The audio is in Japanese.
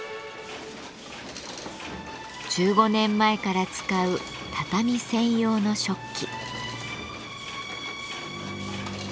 １５年前から使う畳専用の織機。